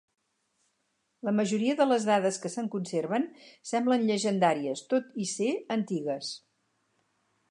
La majoria de les dades que se'n conserven semblen llegendàries, tot i ésser antigues.